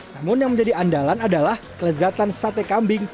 namun yang menjadi andalan adalah kelezatan sate kambing